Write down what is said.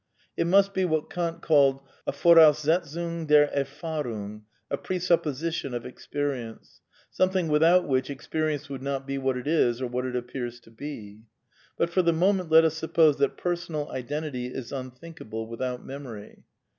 It must be what Kant called a " Voraussetzung der Erfahrung," a presupposition of Experience, something without whidi experience would not be what it is or what it appears to be. Eut for the moment let us suppose that personal identity is unthinkable without memory.